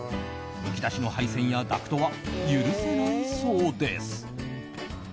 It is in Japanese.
むき出しの配線やダクトは許せないそうです。